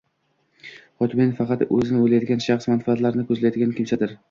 xudbin, faqat o‘zini o‘ylaydigan, shaxsiy manfaatini ko‘zlaydigan kimsadir.